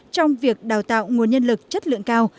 trong việc đào tạo nguồn nhân lực chất lượng cao